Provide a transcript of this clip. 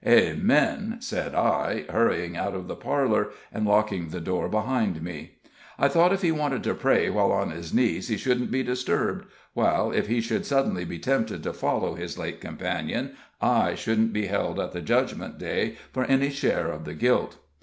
"Amen!" said I, hurrying out of the parlor and locking the door behind me. I thought if he wanted to pray while on his knees he shouldn't be disturbed, while if he should suddenly be tempted to follow his late companion, I shouldn't be held at the Judgment day for any share of the guilt.